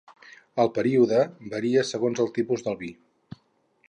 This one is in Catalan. El període varia segons el tipus de vi.